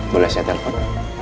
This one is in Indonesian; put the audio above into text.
boleh saya telepon